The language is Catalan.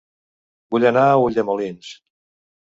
Vull anar a Ulldemolins